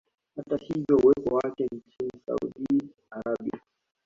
Hata hivyo uwepo wake Nchini Saudi Arabia